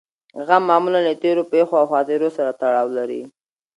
غم معمولاً له تېرو پېښو او خاطرو سره تړاو لري.